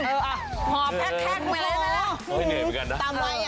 หอบแท็กแหม